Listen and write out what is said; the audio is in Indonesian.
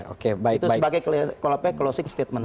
oke itu sebagai closing statement